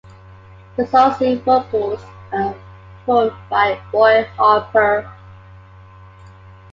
The song's lead vocals are performed by Roy Harper.